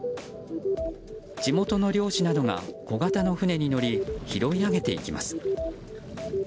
地元の漁師などが小型の船に乗り拾い上げていきます。